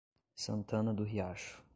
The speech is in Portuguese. Santana do Riacho